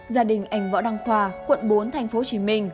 gia đình anh võ đăng khoa quận bốn tp hcm